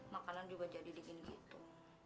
makanan juga jadi dingin gitu